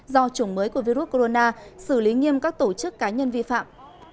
do chủng mới của virus corona xử lý nghiêm các tổ chức cá nhân vi phạm